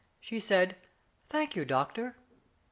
She said :" Thank you, doctor."